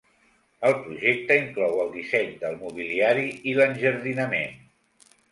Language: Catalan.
El projecte inclou el disseny del mobiliari i l’enjardinament.